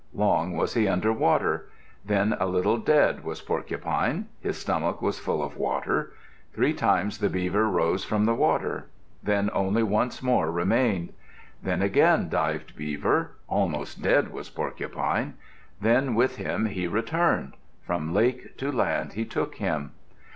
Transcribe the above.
Long was he under water. Then a little dead was Porcupine. His stomach was full of water. Three times the Beaver rose from the water. Then only once more remained. Then again dived Beaver. Almost dead was Porcupine. Then with him he returned. From lake to land he took him.